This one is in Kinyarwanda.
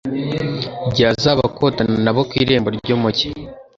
igihe azaba akotana na bo ku irembo ry’umugi